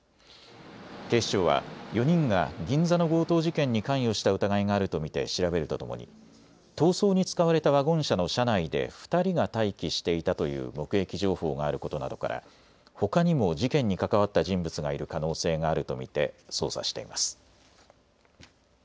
警視庁は４人が銀座の強盗事件に関与した疑いがあると見て調べるとともに逃走に使われたワゴン車の車内で２人が待機していたという目撃情報があることなどから、ほかにも事件に関わった人物がいる可能性があると見て捜査しています。